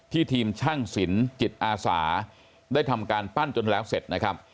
ที่ทีมชั่งสินจิตอาสาได้ทำการปั้นจนแล้วเสร็จ